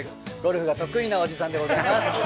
ゴルフが得意なおじさんでございます。